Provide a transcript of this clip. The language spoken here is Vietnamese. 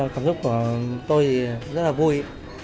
cảm giác của tôi thì rất là vui